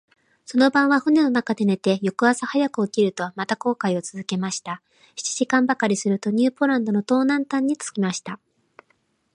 その晩は舟の中で寝て、翌朝早く起きると、また航海をつづけました。七時間ばかりすると、ニューポランドの東南端に着きました。